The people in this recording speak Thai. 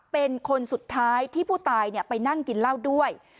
เป็นคนสุดท้ายที่ผู้ตายไปนั่งกินเหล้าด้วย